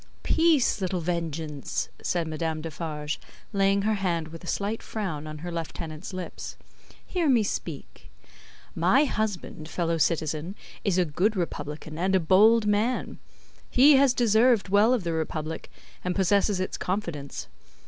"Peace, little Vengeance," said Madame Defarge, laying her hand with a slight frown on her lieutenant's lips, "hear me speak. My husband, fellow citizen, is a good Republican and a bold man; he has deserved well of the Republic, and possesses its confidence.